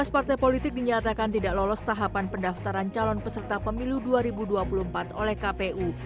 tujuh belas partai politik dinyatakan tidak lolos tahapan pendaftaran calon peserta pemilu dua ribu dua puluh empat oleh kpu